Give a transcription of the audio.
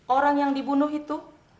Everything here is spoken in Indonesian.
orang yang dibunuh itu